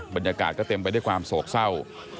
บรรยากาศก็เต็มไปด้วยความโศกเศร้า